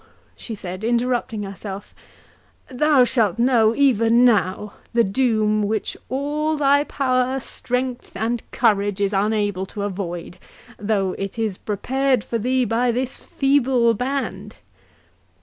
she said, interrupting herself, "thou shalt know, even now, the doom, which all thy power, strength, and courage, is unable to avoid, though it is prepared for thee by this feeble band.